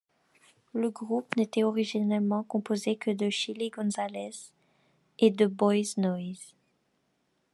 Le groupe n'était originellement composé que de Chilly Gonzales et de Boys Noize.